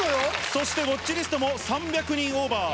そしてウォッチリストも３００人オーバー。